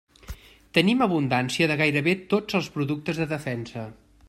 Tenim abundància de gairebé tots els productes de defensa.